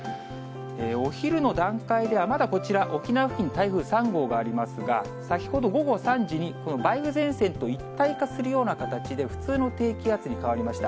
お昼の段階ではまだこちら、沖縄付近、台風３号がありますが、先ほど午後３時に、この梅雨前線と一体化するような形で、普通の低気圧に変わりました。